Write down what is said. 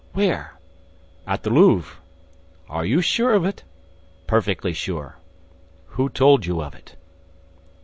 "Where?" "At the Louvre." "Are you sure of it?" "Perfectly sure." "Who told you of it?"